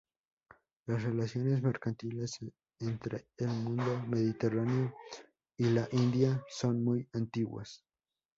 Las relaciones mercantiles entre el mundo mediterráneo y la India son muy antiguas.